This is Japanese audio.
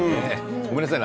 ごめんなさいね。